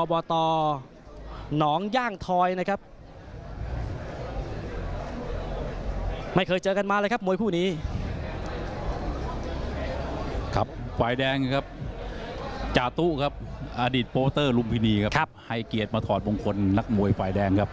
ขณะที่มังเงินเมียร้อยตีบุญจันทุ์ยืนยงครับ